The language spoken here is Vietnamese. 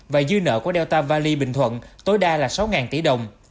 và dư nợ của delta valley bình thuận tối đa là sáu tỷ đồng